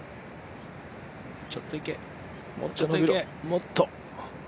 もっと！